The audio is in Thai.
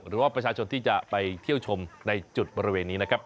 หรือว่าประชาชนที่จะไปเที่ยวชมในจุดบริเวณนี้นะครับ